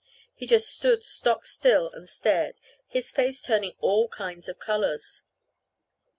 He just stood stock still and stared, his face turning all kinds of colors.